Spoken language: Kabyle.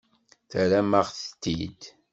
Terramt-aɣ-t-id.